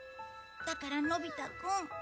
だからのび太くん。